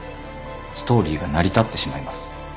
ストーリーが成り立ってしまいます。